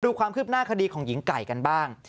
ดูความคืบหน้าคดีของหญิงไก่กันบ้าง